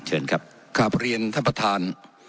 เชิญครับกราบเรียนท่านประธาน